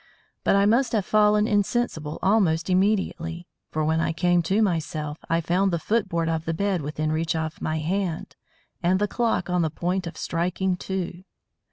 But I must have fallen insensible almost immediately, for when I came to myself I found the foot board of the bed within reach of my hand, and the clock on the point of striking two.